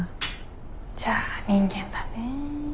じゃあ人間だね。